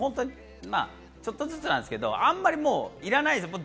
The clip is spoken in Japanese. ちょっとずつですけど、あまりいらないんです。